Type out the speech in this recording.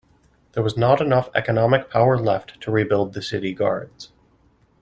There was not enough economic power left to rebuild the city guards.